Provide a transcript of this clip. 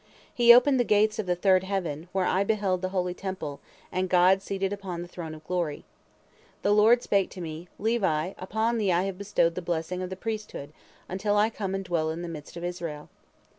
He opened the gates of the third heaven, where I beheld the holy Temple, and God seated upon the Throne of Glory. The Lord spake to me: 'Levi, upon thee have I bestowed the blessing of the priesthood, until I come and dwell in the midst of Israel.'